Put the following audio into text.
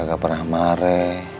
gak pernah mare